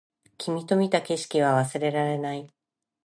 君と見た景色は忘れられない